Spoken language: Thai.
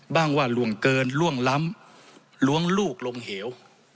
บ้างว่ารวงเกินรวงล้ำรวงลูกลงเหว